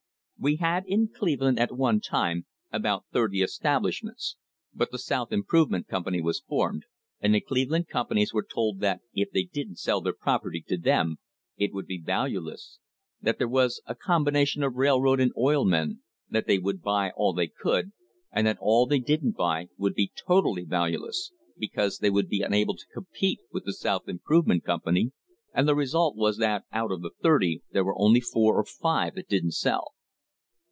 "We had in Cleveland at one time about thirty establish ments, but the South Improvement Company was formed, and the Cleveland companies were told that if they didn't sell their property to them it would be valueless, that there was a combination of railroad and oil men, that they would buy all they could, and that all they didn't buy would be totally valueless, because they would be unable to compete with the South Improvement Company, and the result was that out of thirty there were only four or five that didn't sell."